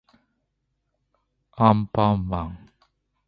アンパンマン